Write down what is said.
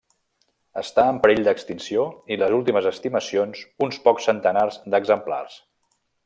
Està en perill d'extinció i les últimes estimacions uns pocs centenars d'exemplars.